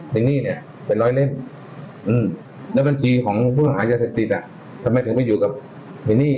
ไอ้นี่เนี่ยเป็นร้อยเล่มแล้วบัญชีของผู้หายาเสพติดอ่ะทำไมถึงไปอยู่กับไอ้นี่